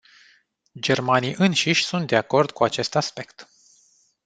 Germanii înșiși sunt de acord cu acest aspect.